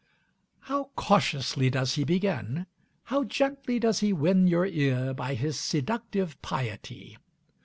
How cautiously does he begin, how gently does he win your ear by his seductive piety!